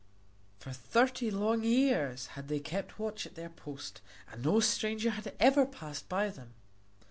For thirty long years had they kept watch at their post and no stranger had ever passed by them.